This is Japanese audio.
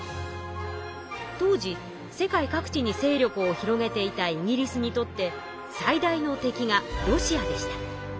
当時世界各地に勢力を広げていたイギリスにとって最大の敵がロシアでした。